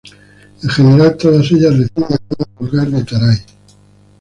En general todas ellas reciben el nombre vulgar de "taray".